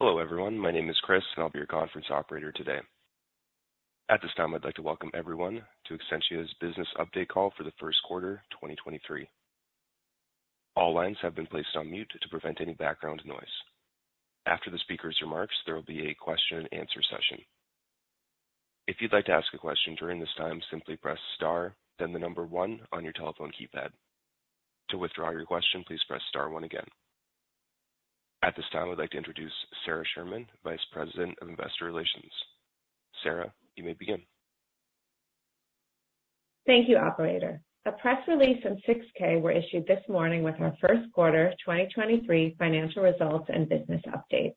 Hello everyone, my name is Chris, and I'll be your conference operator today. At this time, I'd like to welcome everyone to Exscientia's business update call for the Q1 2023. All lines have been placed on mute to prevent any background noise. After the speaker's remarks, there will be a question and answer session. If you'd like to ask a question during this time, simply press * then the number 1 on your telephone keypad. To withdraw your question, please press * 1 again. At this time, I'd like to introduce Sara Sherman, Vice President of Investor Relations. Sara, you may begin. Thank you, operator. A press release in 6-K were issued this morning with our Q1 2023 financial results and business update.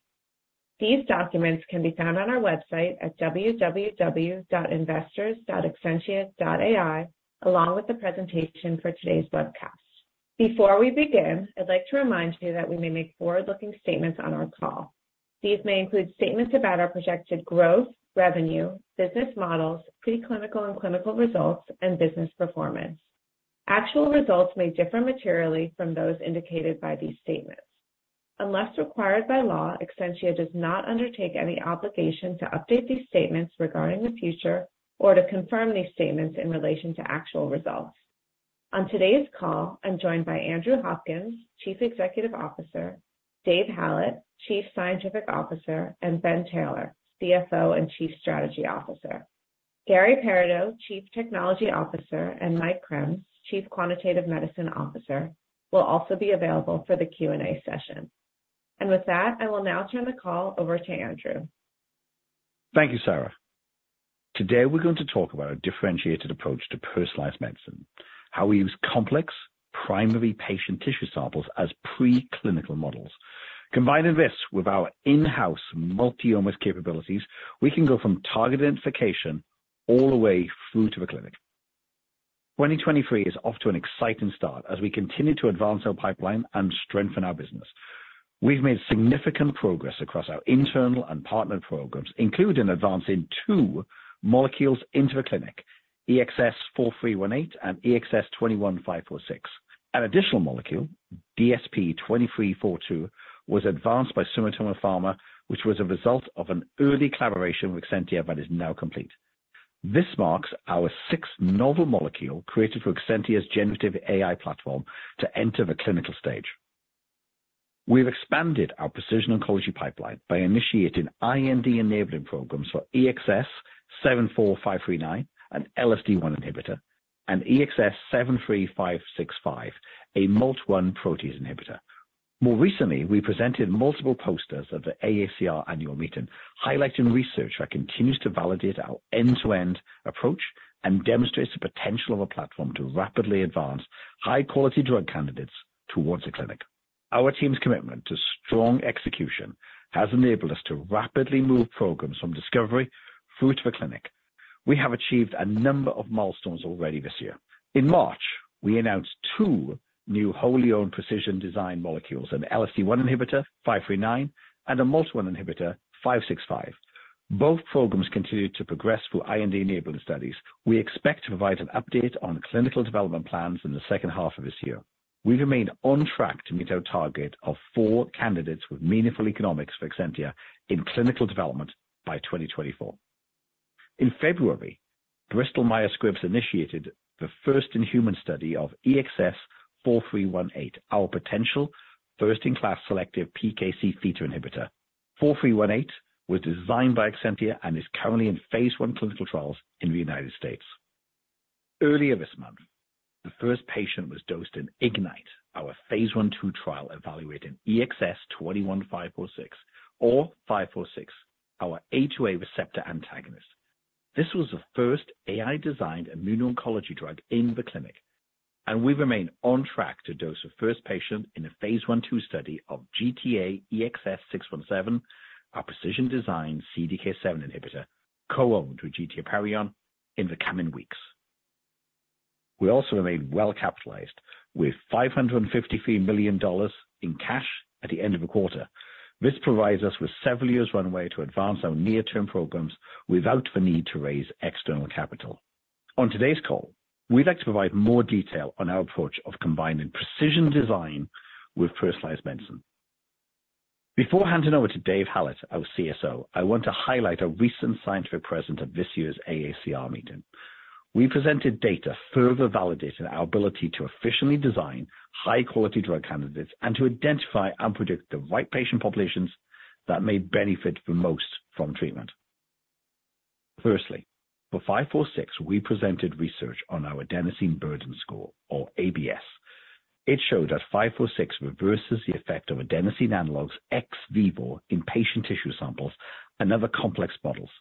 These documents can be found on our website at www.investors.exscientia.ai, along with the presentation for today's webcast. Before we begin, I'd like to remind you that we may make forward-looking statements on our call. These may include statements about our projected growth, revenue, business models, preclinical and clinical results, and business performance. Actual results may differ materially from those indicated by these statements. Unless required by law, Exscientia does not undertake any obligation to update these statements regarding the future or to confirm these statements in relation to actual results. On today's call, I'm joined by Andrew Hopkins, Chief Executive Officer, David Hallett, Chief Scientific Officer, and Ben Taylor, CFO and Chief Strategy Officer. Garry Pairaudeau, Chief Technology Officer, and Mike Krams, Chief Quantitative Medicine Officer, will also be available for the Q&A session. With that, I will now turn the call over to Andrew. Thank you, Sara. Today we're going to talk about a differentiated approach to personalized medicine, how we use complex primary patient tissue samples as preclinical models. Combining this with our in-house multi-omics capabilities, we can go from target identification all the way through to the clinic. 2023 is off to an exciting start as we continue to advance our pipeline and strengthen our business. We've made significant progress across our internal and partner programs, including advancing 2 molecules into the clinic, EXS4318 and EXS21546. An additional molecule, DSP-2342, was advanced by Sumitomo Pharma, which was a result of an early collaboration with Exscientia but is now complete. This marks our 6th novel molecule created through Exscientia's generative AI platform to enter the clinical stage. We've expanded our precision oncology pipeline by initiating IND-enabling programs for EXS74539, an LSD1 inhibitor, and EXS73565, a MALT1 protease inhibitor. More recently, we presented multiple posters at the AACR annual meeting, highlighting research that continues to validate our end-to-end approach and demonstrates the potential of a platform to rapidly advance high-quality drug candidates towards the clinic. Our team's commitment to strong execution has enabled us to rapidly move programs from discovery through to the clinic. We have achieved a number of milestones already this year. In March, we announced 2 new wholly owned precision design molecules, an LSD1 inhibitor, 539, and a MALT1 inhibitor, 565. Both programs continued to progress through IND-enabling studies. We expect to provide an update on clinical development plans in the H2 of this year. We remain on track to meet our target of 4 candidates with meaningful economics for Exscientia in clinical development by 2024. In February, Bristol Myers Squibb initiated the 1st in-human study of EXS4318, our potential first-in-class selective PKC theta inhibitor. 4318 was designed by Exscientia and is currently in phase I clinical trials in the United States. Earlier this month, the 1st patient was dosed in IGNITE-AI, our phase I/II trial evaluating EXS21546 or 546, our A2A receptor antagonist. This was the 1st AI-designed immune oncology drug in the clinic. We remain on track to dose the 1st patient in a phase I/II study of GTAEXS-617, our precision design CDK7 inhibitor, co-owned with GT Apeiron in the coming weeks. We also remain well-capitalized with $553 million in cash at the end of the quarter. This provides us with several years runway to advance our near-term programs without the need to raise external capital. On today's call, we'd like to provide more detail on our approach of combining precision design with personalized medicine. Before handing over to David Hallett, our CSO, I want to highlight a recent scientific present at this year's AACR meeting. We presented data further validating our ability to efficiently design high-quality drug candidates and to identify and predict the right patient populations that may benefit the most from treatment. Firstly, for 546, we presented research on our adenosine burden score or ABS. It showed that 546 reverses the effect of adenosine analogues ex vivo in patient tissue samples and other complex models.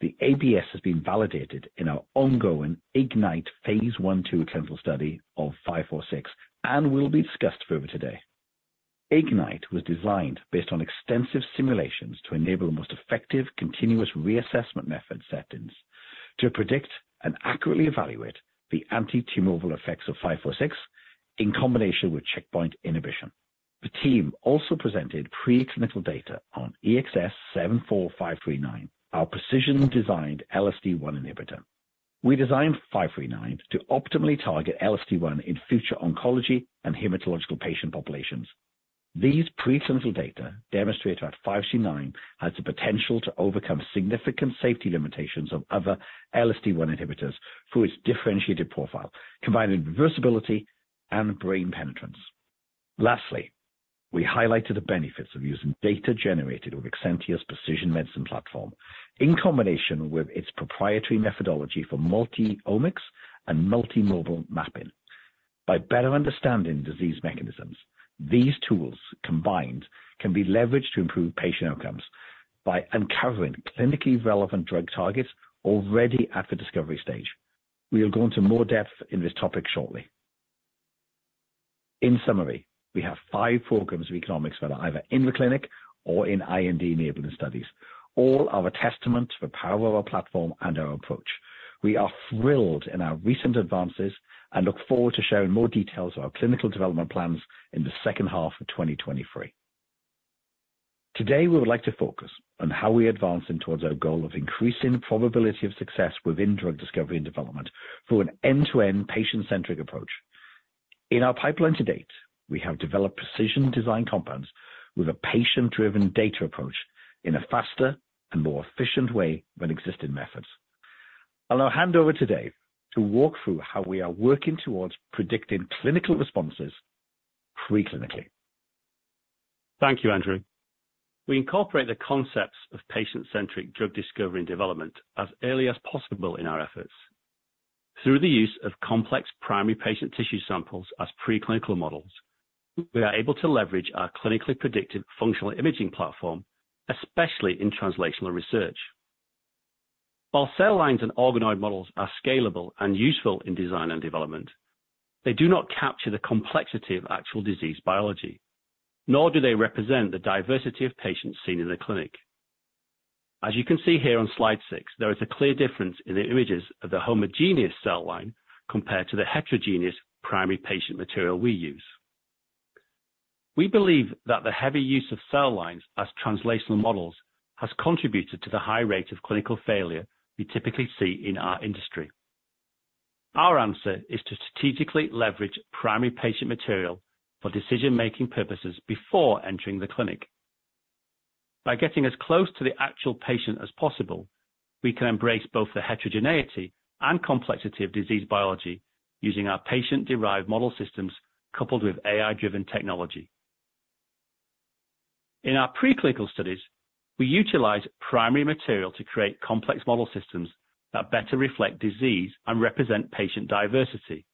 The ABS has been validated in our ongoing IGNITE-AI phase I/II clinical trial of 546 and will be discussed further today. IGNITE-AI was designed based on extensive simulations to enable the most effective Continuous Reassessment Method settings to predict and accurately evaluate the anti-tumor oval effects of 546 in combination with checkpoint inhibition. The team also presented preclinical data on EXS74539, our precision-designed LSD1 inhibitor. We designed 539 to optimally target LSD1 in future oncology and hematological patient populations. These preclinical data demonstrate that 539 has the potential to overcome significant safety limitations of other LSD1 inhibitors through its differentiated profile, combining reversibility and brain penetrance. Lastly, we highlighted the benefits of using data generated with Exscientia's precision medicine platform in combination with its proprietary methodology for multi-omics and multi-modal mapping. By better understanding disease mechanisms, these tools combined can be leveraged to improve patient outcomes by uncovering clinically relevant drug targets already at the discovery stage. We'll go into more depth in this topic shortly. In summary, we have 5 programs of economics that are either in the clinic or in IND-enabling studies, all are a testament to the power of our platform and our approach. We are thrilled in our recent advances and look forward to sharing more details of our clinical development plans in the H2 of 2023. Today, we would like to focus on how we're advancing towards our goal of increasing the probability of success within drug discovery and development through an end-to-end patient-centric approach. In our pipeline to date, we have developed precision design compounds with a patient-driven data approach in a faster and more efficient way than existing methods. I'll now hand over to Dave to walk through how we are working towards predicting clinical responses pre-clinically. Thank you, Andrew. We incorporate the concepts of patient-centric drug discovery and development as early as possible in our efforts. Through the use of complex primary patient tissue samples as preclinical models, we are able to leverage our clinically predictive functional imaging platform, especially in translational research. While cell lines and organoid models are scalable and useful in design and development, they do not capture the complexity of actual disease biology, nor do they represent the diversity of patients seen in the clinic. As you can see here on slide 6, there is a clear difference in the images of the homogeneous cell line compared to the heterogeneous primary patient material we use. We believe that the heavy use of cell lines as translational models has contributed to the high rate of clinical failure we typically see in our industry. Our answer is to strategically leverage primary patient material for decision-making purposes before entering the clinic. By getting as close to the actual patient as possible, we can embrace both the heterogeneity and complexity of disease biology using our patient-derived model systems coupled with AI-driven technology. In our preclinical studies, we utilize primary material to create complex model systems that better reflect disease and represent patient diversity.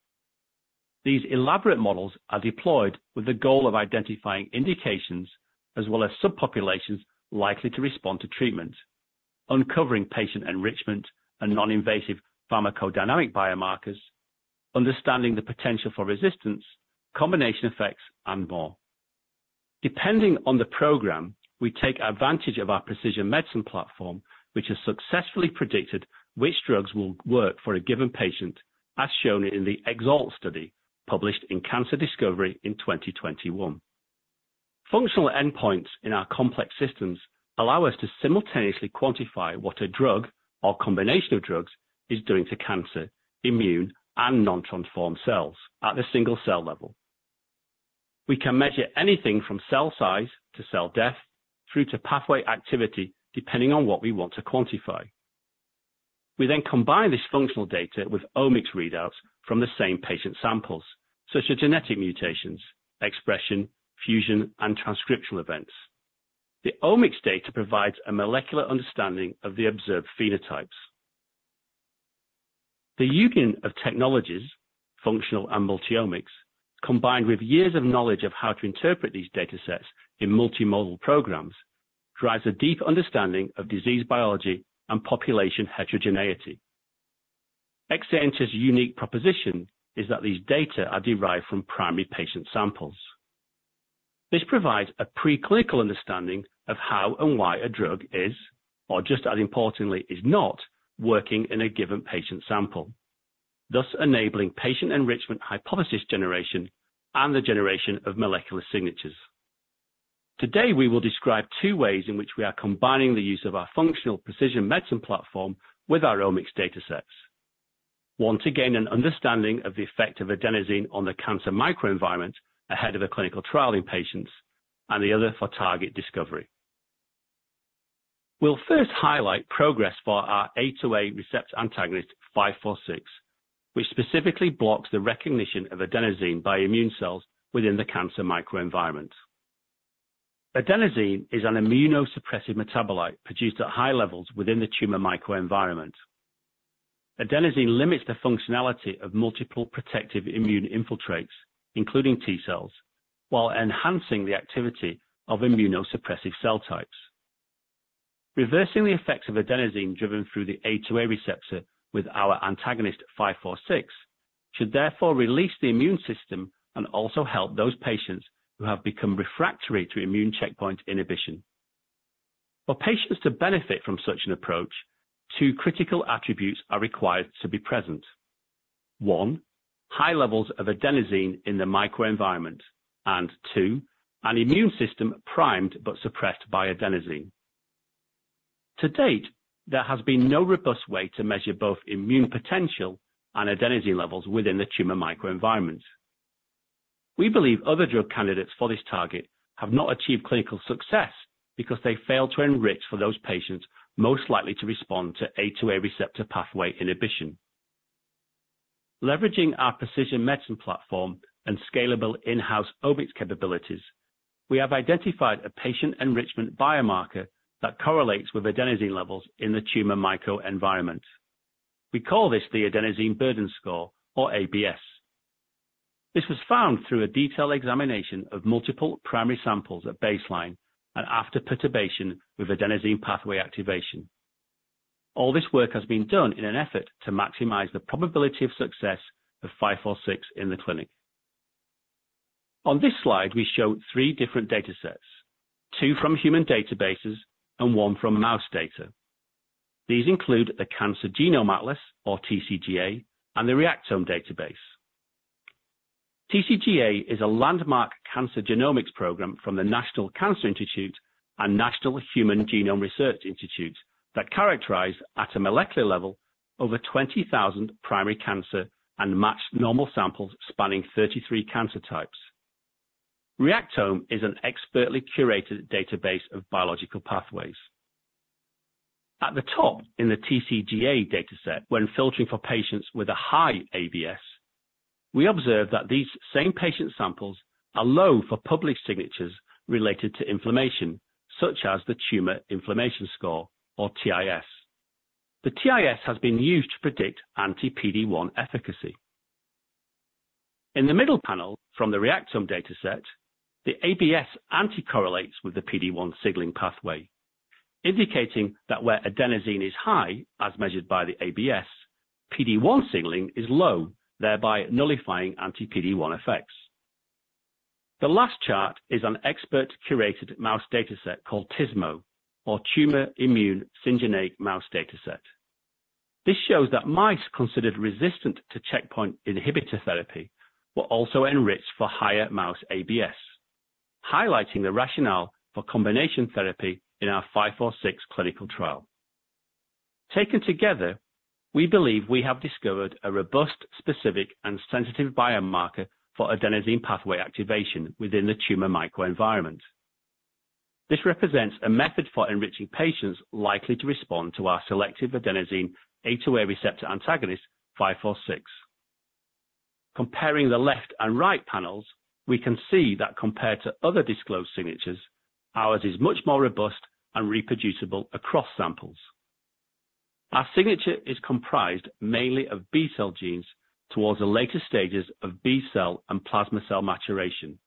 These elaborate models are deployed with the goal of identifying indications as well as subpopulations likely to respond to treatment, uncovering patient enrichment and non-invasive pharmacodynamic biomarkers, understanding the potential for resistance, combination effects, and more. Depending on the program, we take advantage of our precision medicine platform, which has successfully predicted which drugs will work for a given patient, as shown in the EXALT-1 study published in Cancer Discovery in 2021. Functional endpoints in our complex systems allow us to simultaneously quantify what a drug or combination of drugs is doing to cancer, immune, and non-transformed cells at the single-cell level. We can measure anything from cell size to cell death, through to pathway activity, depending on what we want to quantify. We then combine this functional data with omics readouts from the same patient samples, such as genetic mutations, expression, fusion, and transcriptional events. The omics data provides a molecular understanding of the observed phenotypes. The union of technologies, functional and multi-omics, combined with years of knowledge of how to interpret these datasets in multi-modal programs, drives a deep understanding of disease biology and population heterogeneity. Exscientia's unique proposition is that these data are derived from primary patient samples. This provides a preclinical understanding of how and why a drug is, or just as importantly, is not working in a given patient sample, thus enabling patient enrichment hypothesis generation and the generation of molecular signatures. Today, we will describe 2 ways in which we are combining the use of our functional precision medicine platform with our omics datasets. 1 to gain an understanding of the effect of adenosine on the cancer microenvironment ahead of a clinical trial in patients, and the other for target discovery. We'll first highlight progress for our A2A receptor antagonist, 546, which specifically blocks the recognition of adenosine by immune cells within the cancer microenvironment. Adenosine is an immunosuppressive metabolite produced at high levels within the tumor microenvironment. Adenosine limits the functionality of multiple protective immune infiltrates, including T cells, while enhancing the activity of immunosuppressive cell types. Reversing the effects of adenosine driven through the A2A receptor with our antagonist 546, should therefore release the immune system and also help those patients who have become refractory to immune checkpoint inhibition. For patients to benefit from such an approach, 2 critical attributes are required to be present. 1, high levels of adenosine in the microenvironment. 2, an immune system primed but suppressed by adenosine. To date, there has been no robust way to measure both immune potential and adenosine levels within the tumor microenvironment. We believe other drug candidates for this target have not achieved clinical success because they failed to enrich for those patients most likely to respond to A2A receptor pathway inhibition. Leveraging our precision medicine platform and scalable in-house omics capabilities, we have identified a patient enrichment biomarker that correlates with adenosine levels in the tumor microenvironment. We call this the adenosine burden score, or ABS. This was found through a detailed examination of multiple primary samples at baseline and after perturbation with adenosine pathway activation. All this work has been done in an effort to maximize the probability of success of 5-4-6 in the clinic. On this slide, we show 3 different data sets, 2 from human databases and 1 from mouse data. These include The Cancer Genome Atlas, or TCGA, and the Reactome database. TCGA is a landmark cancer genomics program from the National Cancer Institute and National Human Genome Research Institute that characterize, at a molecular level, over 20,000 primary cancer and matched normal samples spanning 33 cancer types. Reactome is an expertly curated database of biological pathways. At the top in the TCGA dataset when filtering for patients with a high ABS, we observe that these same patient samples are low for public signatures related to inflammation, such as the Tumor Inflammation Signature or TIS. The TIS has been used to predict anti-PD-1 efficacy. In the middle panel from the Reactome dataset, the ABS anticorrelates with the PD-1 signaling pathway, indicating that where adenosine is high, as measured by the ABS, PD-1 signaling is low, thereby nullifying anti-PD-1 effects. The last chart is an expert-curated mouse dataset called TISMO, or Tumor Immune Syngeneic Mouse dataset. This shows that mice considered resistant to checkpoint inhibitor therapy were also enriched for higher mouse ABS, highlighting the rationale for combination therapy in our 5-4-6 clinical trial. Taken together, we believe we have discovered a robust, specific, and sensitive biomarker for adenosine pathway activation within the tumor microenvironment. This represents a method for enriching patients likely to respond to our selective A2A receptor antagonist, EXS21546. Comparing the left and right panels, we can see that compared to other disclosed signatures, ours is much more robust and reproducible across samples. Our signature is comprised mainly of B-cell genes towards the later stages of B-cell and plasma cell maturation.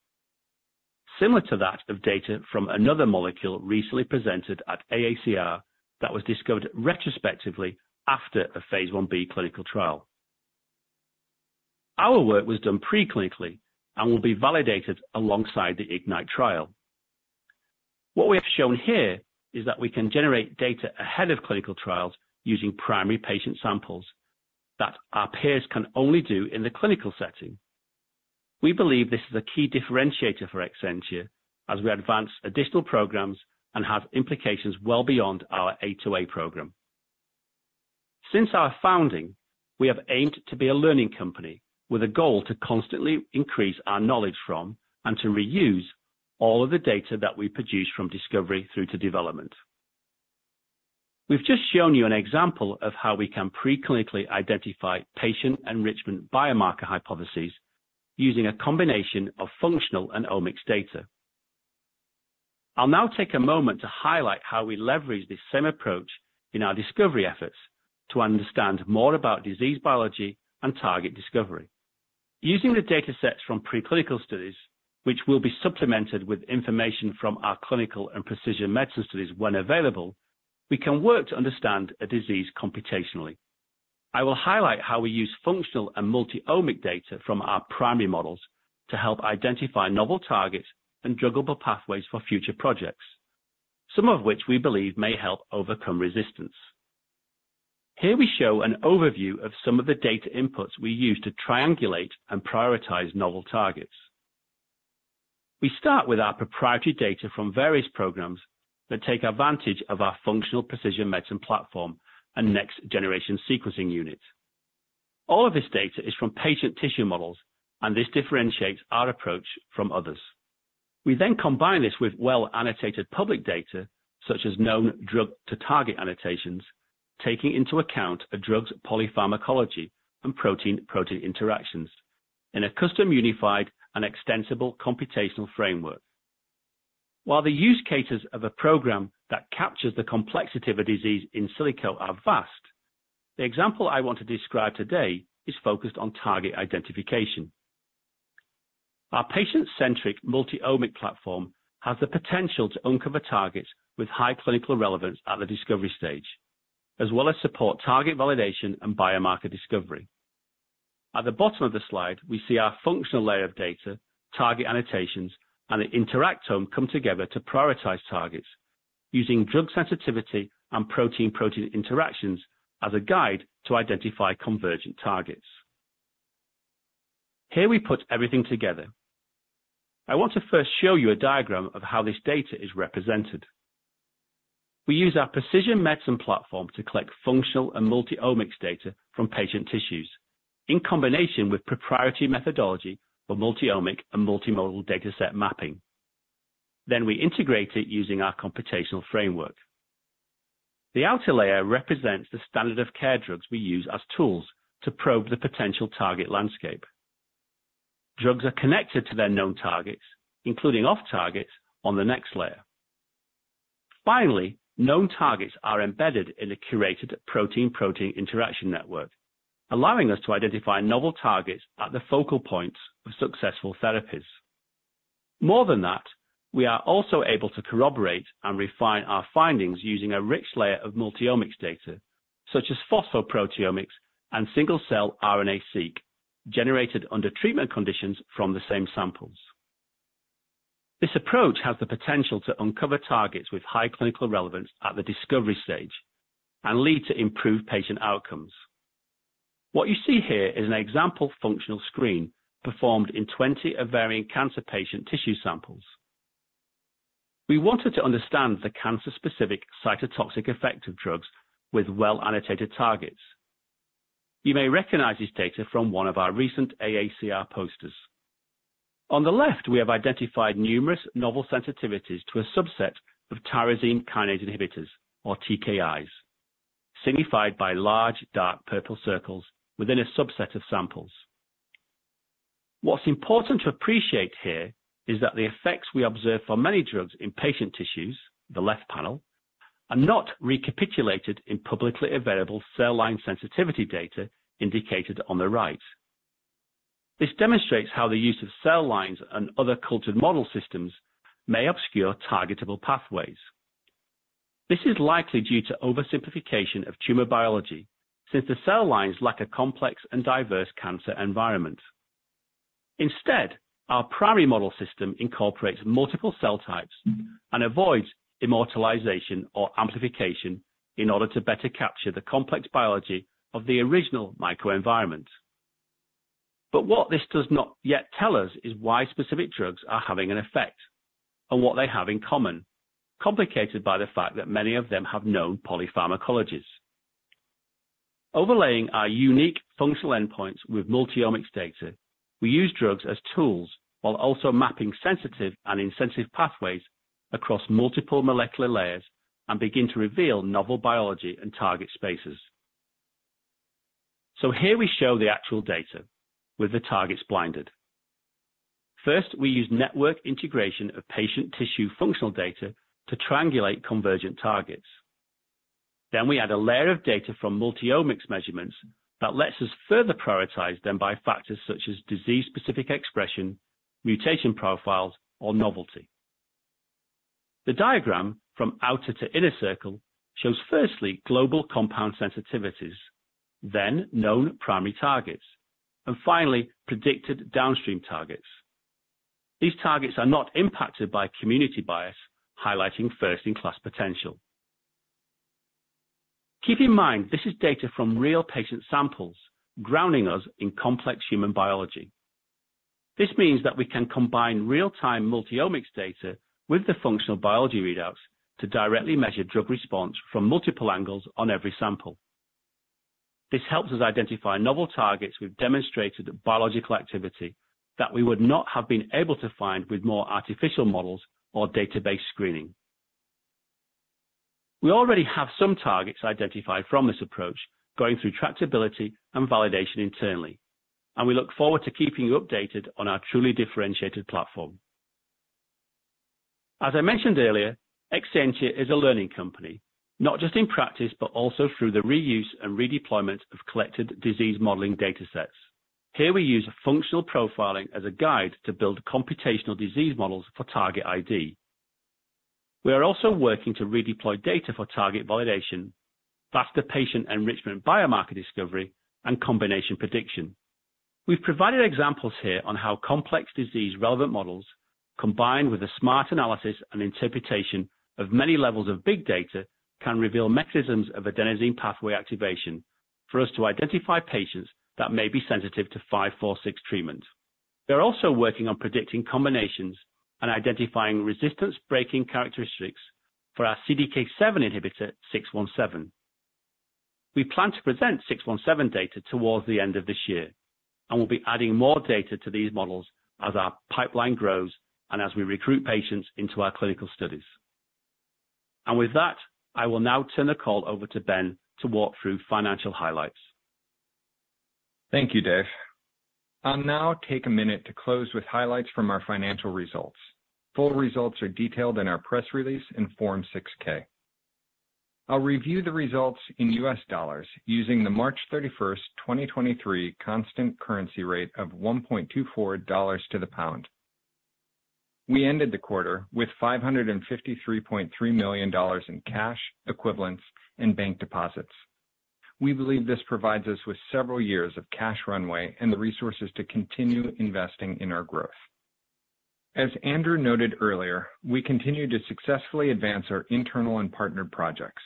Similar to that of data from another molecule recently presented at AACR that was discovered retrospectively after a phase I-B clinical trial. Our work was done pre-clinically and will be validated alongside the IGNITE trial. What we have shown here is that we can generate data ahead of clinical trials using primary patient samples that our peers can only do in the clinical setting. We believe this is a key differentiator for Exscientia as we advance additional programs and have implications well beyond our A2A program. Since our founding, we have aimed to be a learning company with a goal to constantly increase our knowledge from and to reuse all of the data that we produce from discovery through to development. We've just shown you an example of how we can pre-clinically identify patient enrichment biomarker hypotheses using a combination of functional and omics data. I'll now take a moment to highlight how we leverage this same approach in our discovery efforts to understand more about disease biology and target discovery. Using the data sets from preclinical studies, which will be supplemented with information from our clinical and precision medicine studies when available, we can work to understand a disease computationally. I will highlight how we use functional and multi-omic data from our primary models to help identify novel targets and druggable pathways for future projects, some of which we believe may help overcome resistance. Here we show an overview of some of the data inputs we use to triangulate and prioritize novel targets. We start with our proprietary data from various programs that take advantage of our functional precision medicine platform and next-generation sequencing unit. All of this data is from patient tissue models and this differentiates our approach from others. We then combine this with well-annotated public data such as known drug to target annotations, taking into account a drug's polypharmacology and protein-protein interactions in a custom unified and extensible computational framework. While the use cases of a program that captures the complexity of a disease in silico are vast, the example I want to describe today is focused on target identification. Our patient-centric multi-omic platform has the potential to uncover targets with high clinical relevance at the discovery stage, as well as support target validation and biomarker discovery. At the bottom of the slide, we see our functional layer of data, target annotations, and the interactome come together to prioritize targets. Using drug sensitivity and protein-protein interactions as a guide to identify convergent targets. Here we put everything together. I want to first show you a diagram of how this data is represented. We use our precision medicine platform to collect functional and multi-omics data from patient tissues, in combination with proprietary methodology for multi-omic and multimodal dataset mapping. We integrate it using our computational framework. The outer layer represents the standard of care drugs we use as tools to probe the potential target landscape. Drugs are connected to their known targets, including off targets on the next layer. Known targets are embedded in a curated protein-protein interaction network, allowing us to identify novel targets at the focal points of successful therapies. More than that, we are also able to corroborate and refine our findings using a rich layer of multi-omics data, such as phosphoproteomics and single-cell RNA-seq, generated under treatment conditions from the same samples. This approach has the potential to uncover targets with high clinical relevance at the discovery stage and lead to improved patient outcomes. What you see here is an example of functional screen performed in 20 ovarian cancer patient tissue samples. We wanted to understand the cancer-specific cytotoxic effect of drugs with well-annotated targets. You may recognize this data from one of our recent AACR posters. On the left, we have identified numerous novel sensitivities to a subset of tyrosine kinase inhibitors or TKIs, signified by large dark purple circles within a subset of samples. What's important to appreciate here is that the effects we observe for many drugs in patient tissues, the left panel, are not recapitulated in publicly available cell line sensitivity data indicated on the right. This demonstrates how the use of cell lines and other cultured model systems may obscure targetable pathways. This is likely due to oversimplification of tumor biology, since the cell lines lack a complex and diverse cancer environment. Instead, our primary model system incorporates multiple cell types and avoids immortalization or amplification in order to better capture the complex biology of the original microenvironment. What this does not yet tell us is why specific drugs are having an effect and what they have in common, complicated by the fact that many of them have known polypharmacologies. Overlaying our unique functional endpoints with multi-omics data, we use drugs as tools while also mapping sensitive and insensitive pathways across multiple molecular layers and begin to reveal novel biology and target spaces. Here we show the actual data with the targets blinded. First, we use network integration of patient tissue functional data to triangulate convergent targets. We add a layer of data from multi-omics measurements that lets us further prioritize them by factors such as disease-specific expression, mutation profiles, or novelty. The diagram from outer to inner circle shows firstly, global compound sensitivities, then known primary targets, and finally predicted downstream targets. These targets are not impacted by community bias, highlighting first-in-class potential. Keep in mind, this is data from real patient samples, grounding us in complex human biology. This means that we can combine real-time multi-omics data with the functional biology readouts to directly measure drug response from multiple angles on every sample. This helps us identify novel targets with demonstrated biological activity that we would not have been able to find with more artificial models or database screening. We already have some targets identified from this approach, going through tractability and validation internally, and we look forward to keeping you updated on our truly differentiated platform. As I mentioned earlier, Exscientia is a learning company, not just in practice, but also through the reuse and redeployment of collected disease modeling datasets. Here we use functional profiling as a guide to build computational disease models for target ID. We are also working to redeploy data for target validation, faster patient enrichment, biomarker discovery, and combination prediction. We've provided examples here on how complex disease-relevant models, combined with a smart analysis and interpretation of many levels of big data, can reveal mechanisms of adenosine pathway activation for us to identify patients that may be sensitive to 546 treatment. We're also working on predicting combinations and identifying resistance-breaking characteristics for our CDK7 inhibitor, 617. We plan to present 617 data towards the end of this year, and we'll be adding more data to these models as our pipeline grows and as we recruit patients into our clinical studies. With that, I will now turn the call over to Ben to walk through financial highlights. Thank you, Dave. I'll now take a minute to close with highlights from our financial results. Full results are detailed in our press release in Form 6-K. I'll review the results in US dollars using the March 31st, 2023 constant currency rate of GBP 1.24 to the pound. We ended the quarter with $553.3 million in cash, equivalents, and bank deposits. We believe this provides us with several years of cash runway and the resources to continue investing in our growth. As Andrew noted earlier, we continue to successfully advance our internal and partnered projects.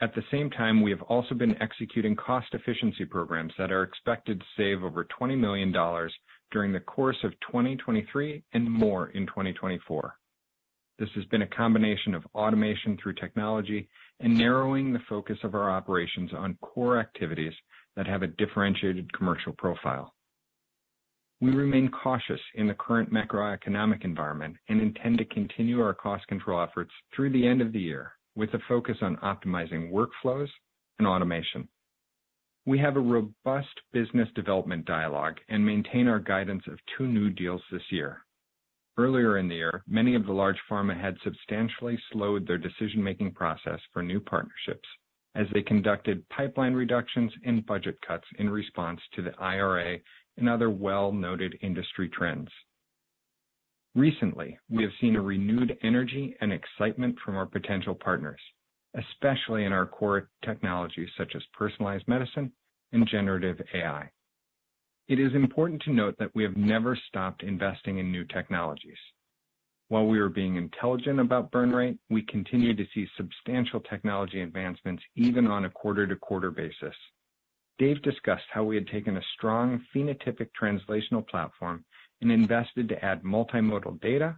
At the same time, we have also been executing cost efficiency programs that are expected to save over $20 million during the course of 2023 and more in 2024. This has been a combination of automation through technology and narrowing the focus of our operations on core activities that have a differentiated commercial profile. We remain cautious in the current macroeconomic environment and intend to continue our cost control efforts through the end of the year with a focus on optimizing workflows and automation. We have a robust business development dialogue and maintain our guidance of 2 new deals this year. Earlier in the year, many of the large pharma had substantially slowed their decision-making process for new partnerships as they conducted pipeline reductions and budget cuts in response to the IRA and other well-noted industry trends. Recently, we have seen a renewed energy and excitement from our potential partners, especially in our core technologies such as personalized medicine and generative AI. It is important to note that we have never stopped investing in new technologies. While we are being intelligent about burn rate, we continue to see substantial technology advancements even on a quarter-to-quarter basis. Dave discussed how we had taken a strong phenotypic translational platform and invested to add multimodal data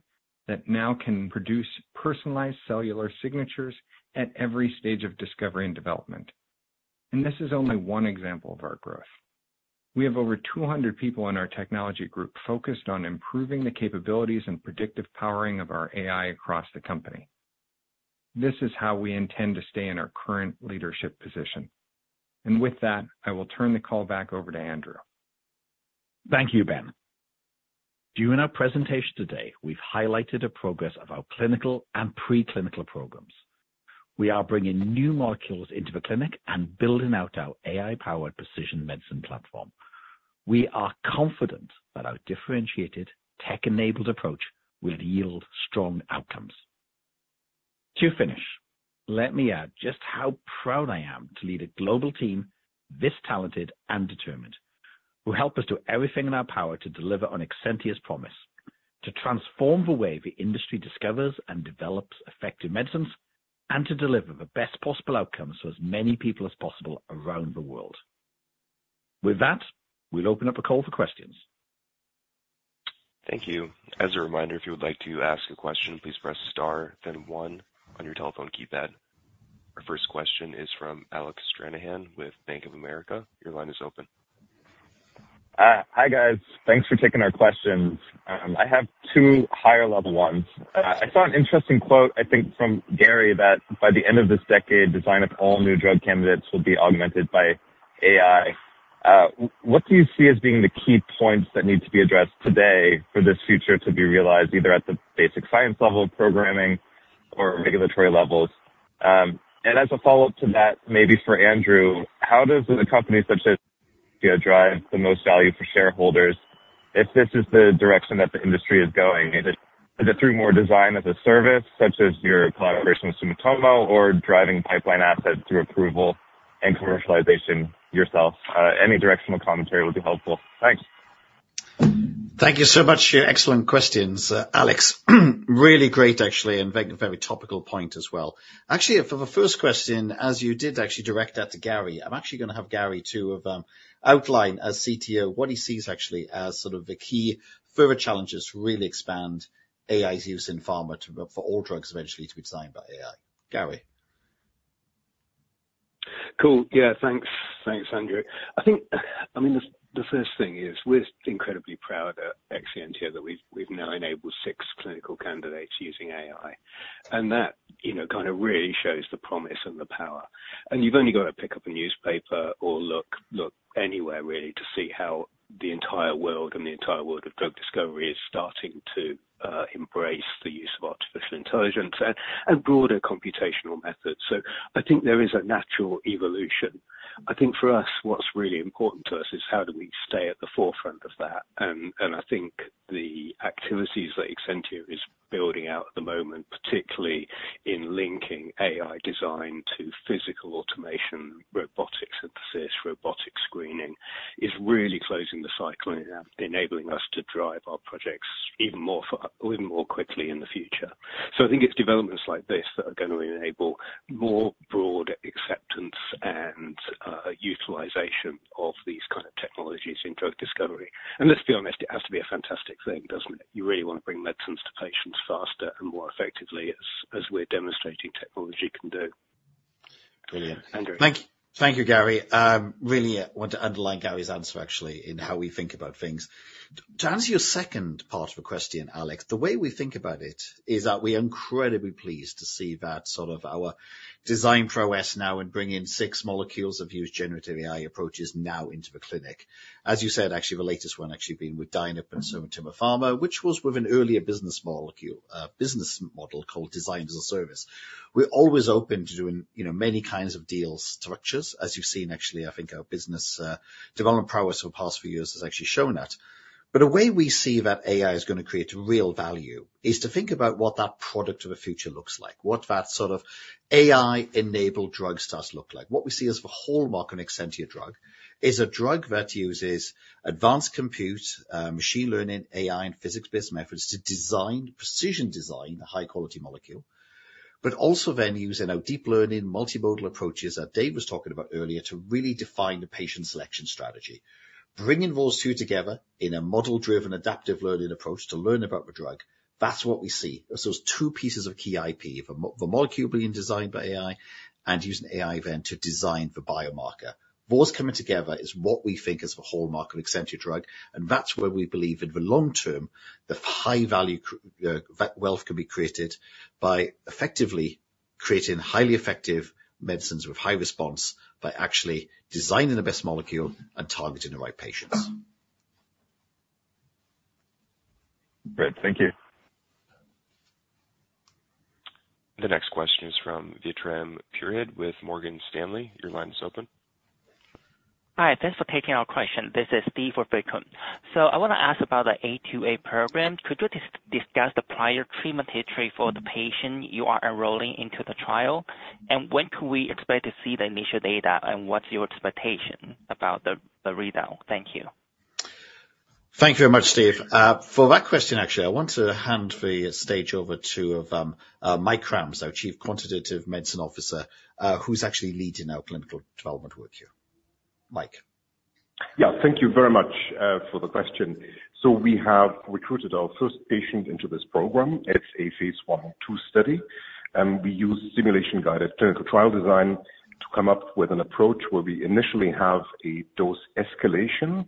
that now can produce personalized cellular signatures at every stage of discovery and development. This is only 1 example of our growth. We have over 200 people in our technology group focused on improving the capabilities and predictive powering of our AI across the company. This is how we intend to stay in our current leadership position. With that, I will turn the call back over to Andrew. Thank you, Ben. During our presentation today, we've highlighted the progress of our clinical and preclinical programs. We are bringing new molecules into the clinic and building out our AI-powered precision medicine platform. We are confident that our differentiated tech-enabled approach will yield strong outcomes. To finish, let me add just how proud I am to lead a global team this talented and determined, who help us do everything in our power to deliver on Exscientia's promise to transform the way the industry discovers and develops effective medicines and to deliver the best possible outcomes for as many people as possible around the world. We'll open up the call for questions. Thank you. As a reminder, if you would like to ask a question, please press * then 1 on your telephone keypad. Our 1st question is from Alec Stranahan with Bank of America. Your line is open. Hi, guys. Thanks for taking our questions. I have 2 higher-level 1's. I saw an interesting quote, I think from Gary, that by the end of this decade, design of all new drug candidates will be augmented by AI. What do you see as being the key points that need to be addressed today for this future to be realized either at the basic science level programming or regulatory levels? As a follow-up to that, maybe for Andrew, how does a company such as drive the most value for shareholders if this is the direction that the industry is going? Is it through more design as a service such as your collaboration with Sumitomo or driving pipeline assets through approval and commercialization yourself? Any directional commentary would be helpful. Thanks. Thank you so much for your excellent questions, Alex. Really great actually, and very topical point as well. Actually, for the 1st question, as you did actually direct that to Gary, I'm actually gonna have Gary to outline as CTO what he sees actually as sort of the key further challenges to really expand AI's use in pharma for all drugs eventually to be designed by AI. Gary. Cool. Yeah, thanks. Thanks, Andrew. I think, I mean, the first thing is we're incredibly proud at Exscientia that we've now enabled 6 clinical candidates using AI. That, you know, kind of really shows the promise and the power. You've only got to pick up a newspaper or look anywhere really to see how the entire world and the entire world of drug discovery is starting to embrace the use of artificial intelligence and broader computational methods. I think there is a natural evolution. I think for us, what's really important to us is how do we stay at the forefront of that. I think the activities that Exscientia is building out at the moment, particularly in linking AI design to physical automation, robotics synthesis, robotic screening, is really closing the cycle and enabling us to drive our projects even more quickly in the future. I think it's developments like this that are gonna enable more broad acceptance and utilization of these kind of technologies in drug discovery. Let's be honest, it has to be a fantastic thing, doesn't it? You really want to bring medicines to patients faster and more effectively as we're demonstrating technology can do. Thank you, Garry. Really, I want to underline Garry's answer actually in how we think about things. To answer your second part of the question, Alec, the way we think about it is that we're incredibly pleased to see that sort of our design prowess now and bring in 6 molecules have used generative AI approaches now into the clinic. As you said, actually, the latest one actually being with Dainippon and Sumitomo Pharma, which was with an earlier business model called Design as a Service. We're always open to doing, you know, many kinds of deal structures, as you've seen, actually, I think our business development prowess for the past few years has actually shown that. The way we see that AI is gonna create real value is to think about what that product of the future looks like, what that sort of AI-enabled drug starts to look like. What we see as the hallmark of an Exscientia drug is a drug that uses advanced compute, machine learning, AI, and physics-based methods to design, precision design a high-quality molecule. Also then use in our deep learning multimodal approaches that Dave was talking about earlier to really define the patient selection strategy. Bringing those 2 together in a model-driven adaptive learning approach to learn about the drug, that's what we see as those 2 pieces of key IP, the molecule being designed by AI and using AI then to design the biomarker. Those coming together is what we think is the hallmark of Exscientia drug, and that's where we believe in the long term, the high value wealth can be created by effectively creating highly effective medicines with high response by actually designing the best molecule and targeting the right patients. Great. Thank you. The next question is from Vikram Purohit with Morgan Stanley. Your line is open. Hi. Thanks for taking our question. This is Steve for Vikram. I wanna ask about the A2A program. Could you discuss the prior treatment history for the patient you are enrolling into the trial? When can we expect to see the initial data, and what's your expectation about the readout? Thank you. Thank you very much, Steve. For that question, actually, I want to hand the stage over to Mike Krams, our Chief Quantitative Medicine Officer, who's actually leading our clinical development work here. Mike. Yeah. Thank you very much for the question. We have recruited our 1st patient into this program. It's a phase I and II study. We use simulation-guided clinical trial design to come up with an approach where we initially have a dose escalation,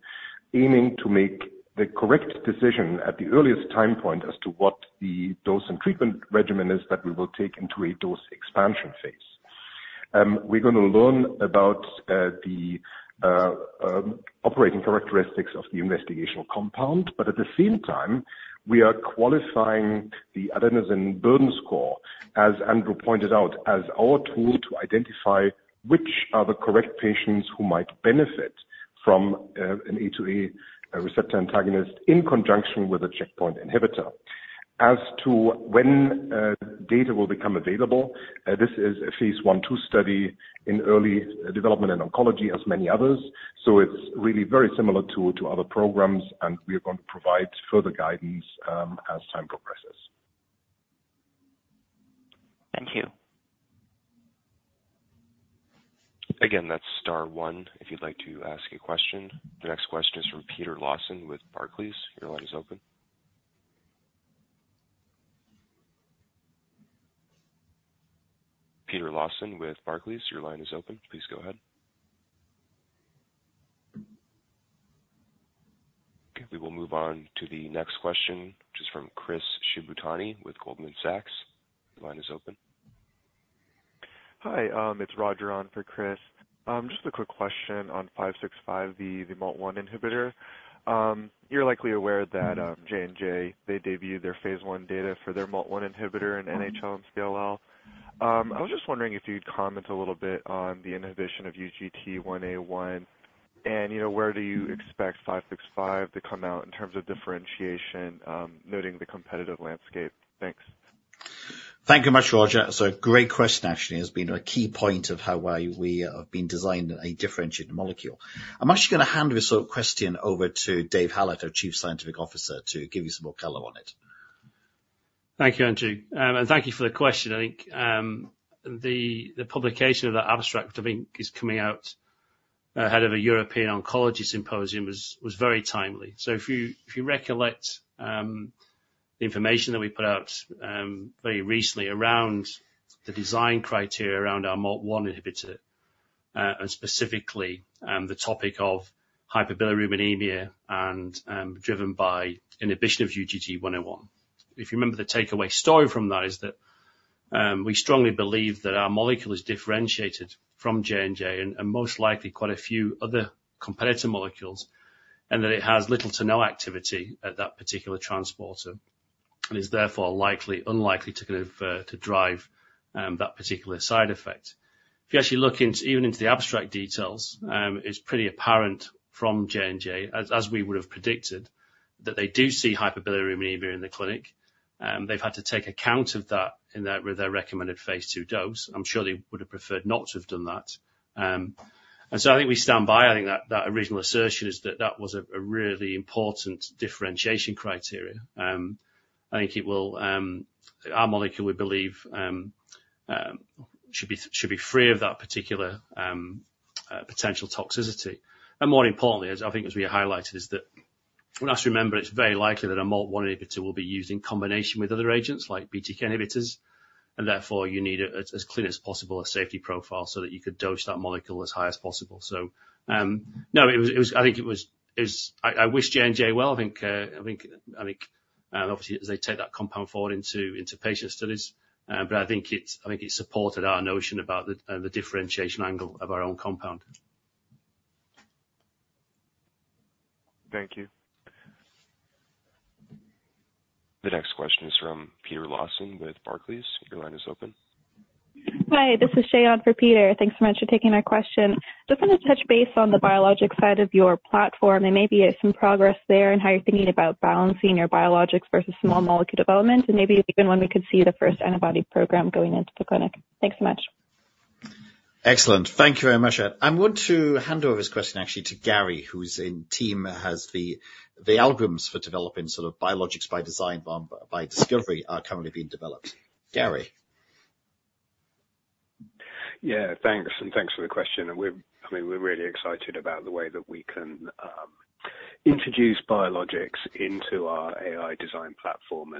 aiming to make the correct decision at the earliest time point as to what the dose and treatment regimen is that we will take into a dose expansion phase. We're going to learn about the operating characteristics of the investigational compound. At the same time, we are qualifying the adenosine burden score, as Andrew pointed out, as our tool to identify which are the correct patients who might benefit from an A2A receptor antagonist in conjunction with a checkpoint inhibitor. As to when, data will become available, this is a phase I/II study in early development and oncology as many others, so it's really very similar to other programs, and we are going to provide further guidance, as time progresses. Thank you. That's star 1 if you'd like to ask a question. The next question is from Peter Lawson with Barclays. Your line is open. Peter Lawson with Barclays, your line is open. Please go ahead. Okay, we will move on to the next question, which is from Chris Shibutani with Goldman Sachs. Your line is open. Hi. It's Roger on for Chris. Just a quick question on 565, the MALT1 inhibitor. You're likely aware that J&J, they debuted their phase I data for their MALT1 inhibitor in NHL and SLL. I was just wondering if you'd comment a little bit on the inhibition of UGT1A1 and, you know, where do you expect 565 to come out in terms of differentiation, noting the competitive landscape. Thanks. Thank you much, Roger. It's a great question, actually. It has been a key point of how we have been designing a differentiated molecule. I'm actually gonna hand this sort of question over to David Hallett, our Chief Scientific Officer, to give you some more color on it. Thank you, Andrew. And thank you for the question. I think the publication of that abstract I think is coming out ahead of a European oncology symposium was very timely. If you recollect the information that we put out very recently around the design criteria around our MALT1 inhibitor, and specifically the topic of hyperbilirubinemia and driven by inhibition of UGT1A1. If you remember the takeaway story from that is that we strongly believe that our molecule is differentiated from J&J and most likely quite a few other competitor molecules, and that it has little to no activity at that particular transporter, and is therefore unlikely to kind of to drive that particular side effect. If you actually look into, even into the abstract details, it's pretty apparent from J&J as we would have predicted, that they do see hyperbilirubinemia in the clinic. They've had to take account of that in their, with their recommended phase II dose. I'm sure they would have preferred not to have done that. So I think we stand by. I think that original assertion is that was a really important differentiation criteria. I think it will, our molecule we believe, should be, should be free of that particular potential toxicity. More importantly, as I think as we highlighted, is that we must remember it's very likely that a MALT1 inhibitor will be used in combination with other agents like BTK inhibitors, and therefore you need a, as clean as possible a safety profile so that you could dose that molecule as high as possible. No, it was. I think I wish J&J well. I think, and obviously, as they take that compound forward into patient studies. I think it's, I think it supported our notion about the differentiation angle of our own compound. Thank you. The next question is from Peter Lawson with Barclays. Your line is open. Hi, this is Shay on for Peter. Thanks so much for taking our question. Just wanna touch base on the biologic side of your platform and maybe some progress there and how you're thinking about balancing your biologics versus small molecule development and maybe even when we could see the first antibody program going into the clinic. Thanks so much. Excellent. Thank you very much. I'm going to hand over this question actually to Gary, whose team has the algorithms for developing sort of biologics by design, by discovery are currently being developed. Gary. Yeah, thanks. Thanks for the question. We're, I mean, we're really excited about the way that we can introduce biologics into our AI design platform.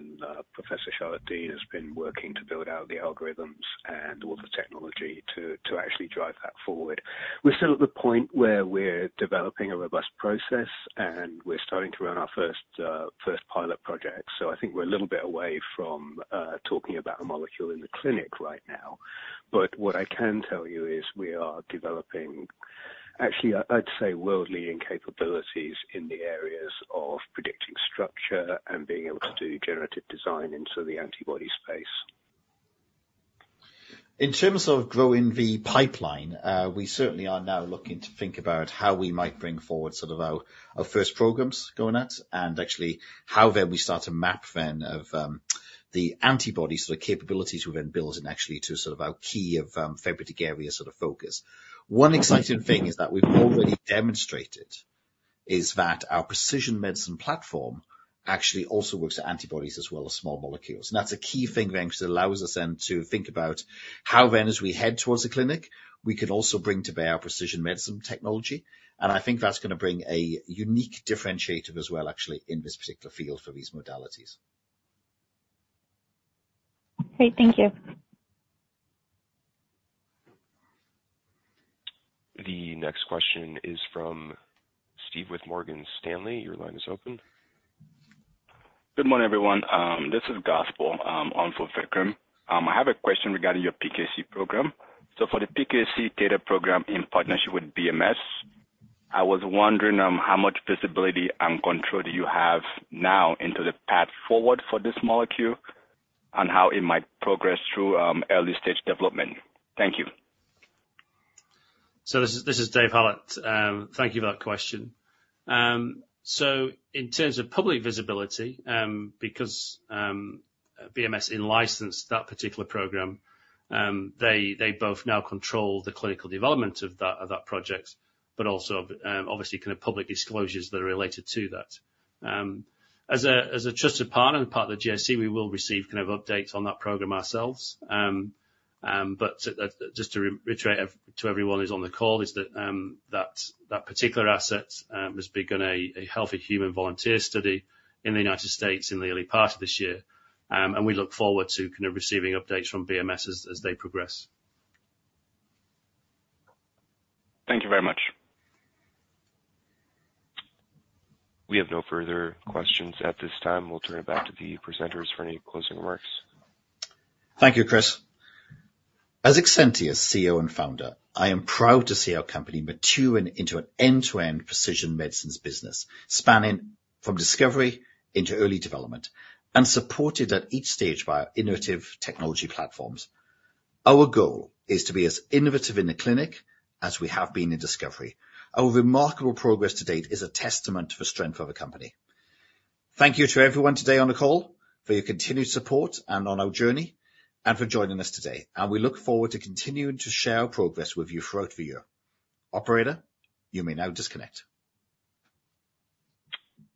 Professor Charlotte Deane has been working to build out the algorithms and all the technology to actually drive that forward. We're still at the point where we're developing a robust process, and we're starting to run our 1st pilot project. I think we're a little bit away from talking about a molecule in the clinic right now. What I can tell you is we are developing, actually, I'd say world-leading capabilities in the areas of predicting structure and being able to do generative design into the antibody space. In terms of growing the pipeline, we certainly are now looking to think about how we might bring forward sort of our first programs going out and actually how then we start to map then the antibodies, the capabilities we've then built and actually to sort of our key therapeutic area sort of focus. 1 exciting thing is that we've already demonstrated is that our precision medicine platform actually also works with antibodies as well as small molecules. That's a key thing then, because it allows us then to think about how then as we head towards the clinic, we can also bring to bear precision medicine technology. I think that's gonna bring a unique differentiator as well, actually, in this particular field for these modalities. Great. Thank you. The next question is from Steve with Morgan Stanley. Your line is open. Good morning, everyone. This is Gospel, on for Vikram. I have a question regarding your PKC program. For the PKC theta program in partnership with BMS, I was wondering how much visibility and control do you have now into the path forward for this molecule and how it might progress through early-stage development. Thank you. This is David Hallett. Thank you for that question. In terms of public visibility, because BMS in-licensed that particular program, they both now control the clinical development of that project, but also obviously kind of public disclosures that are related to that. As a trusted partner and part of the JSC, we will receive kind of updates on that program ourselves. Just to reiterate to everyone who's on the call is that that particular asset has begun a healthy human volunteer study in the United States in the early part of this year. We look forward to kind of receiving updates from BMS as they progress. Thank you very much. We have no further questions at this time. We'll turn it back to the presenters for any closing remarks. Thank you, Chris. As Exscientia CEO and founder, I am proud to see our company maturing into an end-to-end precision medicines business, spanning from discovery into early development and supported at each stage by our innovative technology platforms. Our goal is to be as innovative in the clinic as we have been in discovery. Our remarkable progress to date is a testament to the strength of the company. Thank you to everyone today on the call for your continued support and on our journey and for joining us today. We look forward to continuing to share our progress with you throughout the year. Operator, you may now disconnect.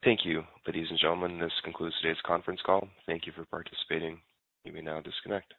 Thank you. Ladies and gentlemen, this concludes today's conference call. Thank you for participating. You may now disconnect.